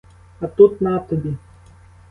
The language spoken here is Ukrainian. А тут на тобі!